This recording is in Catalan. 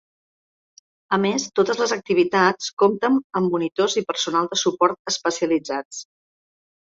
A més totes les activitats compten amb monitors i personal de suport especialitzats.